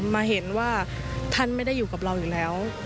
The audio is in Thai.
มาเห็นว่าท่านไม่ได้อยู่กับเราอยู่แล้ว